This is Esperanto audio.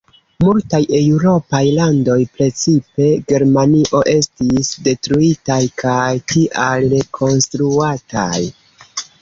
Multaj eŭropaj landoj, precipe Germanio, estis detruitaj kaj tial rekonstruataj.